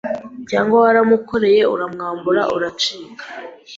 Cyangwa waramukoreye uramwambura uracika